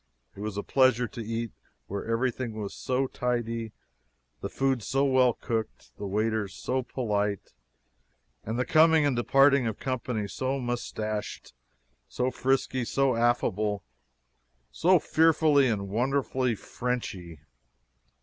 It was a pleasure to eat where everything was so tidy, the food so well cooked, the waiters so polite, and the coming and departing company so moustached, so frisky, so affable, so fearfully and wonderfully Frenchy!